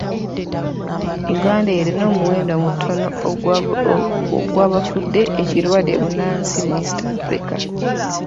Uganda erina omuwendo mutono ogw'abafudde ekirwadde bbunansi mu East Africa.